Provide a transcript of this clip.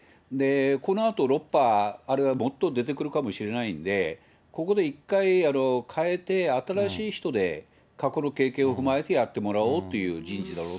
このあと６波、あるいはもっと出てくるかもしれないんで、ここで一回代えて、新しい人で過去の経験を踏まえてやってもらおうという人事だろう